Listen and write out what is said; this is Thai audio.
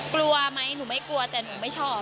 กลัวไหมหนูไม่กลัวแต่หนูไม่ชอบ